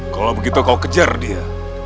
kalau begitu kau kejar dia